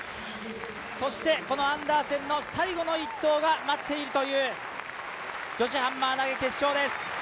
そしてこのアンダーセンの最後の一投が待っているという女子ハンマー投げ決勝です。